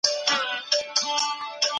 د ستونزو حل په یووالي کي دی.